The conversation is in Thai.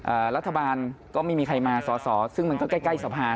อ่ารัฐบาลก็ไม่มีใครมาสอซึ่งมันก็ใกล้สภา